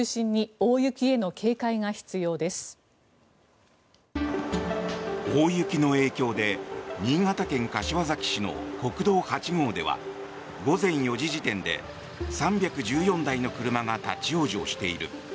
大雪の影響で新潟県柏崎市の国道８号では午前４時時点で３１４台の車が立ち往生している。